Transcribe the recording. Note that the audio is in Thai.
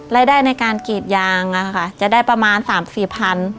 รายได้ในการเกตยางจะได้ประมาณ๓๐๐๐๐บาท